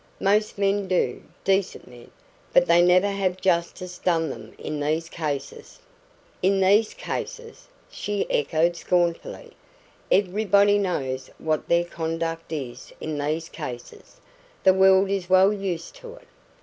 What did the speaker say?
Most men do decent men; but they never have justice done them in these cases." "In these cases!" she echoed scornfully. "Everybody knows what their conduct is in these cases. The world is well used to it.